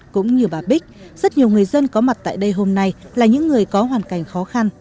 cũng như bà bích rất nhiều người dân có mặt tại đây hôm nay là những người có hoàn cảnh khó khăn